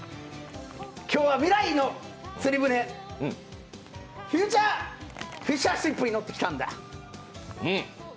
今日は未来の釣り船フューチャーフィッシャーシップに乗ってきたんだ。